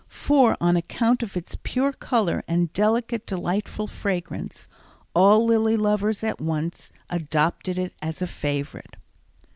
For, on account of its pure color and delicate, delightful fragrance, all lily lovers at once adopted it as a favorite.